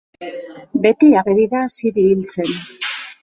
Beti ageri da Ziri hiltzen.